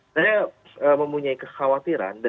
saya mempunyai kekhawatiran